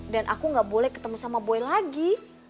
dan aku gak boleh ketemu sama boy lagi